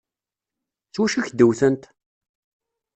S wacu i k-d-wtent?